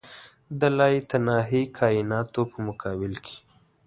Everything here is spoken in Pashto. د لایتناهي کایناتو په مقابل کې.